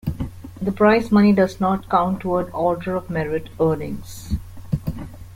The prize money does not count toward Order of Merit earnings.